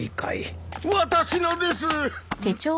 私のです！